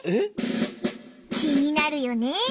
気になるよね！